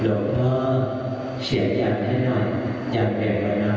เดี๋ยวเธอเสียอย่างนี้หน่อยอย่างแปลกไว้นะ